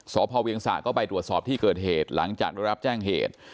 สพเวียงสะก็ไปตรวจสอบที่เกิดเหตุหลังจากได้รับแจ้งเหตุ